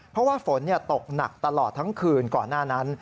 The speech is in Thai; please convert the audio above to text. เพราะว่าฝนตกหนักตลอดทั้งคืนก่อนหน้านั้น